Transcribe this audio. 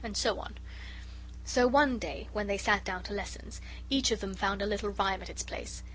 And so on. So, one day, when they sat down to lessons, each of them found a little rhyme at its place.